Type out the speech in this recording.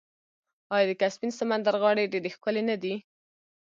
آیا د کسپین سمندر غاړې ډیرې ښکلې نه دي؟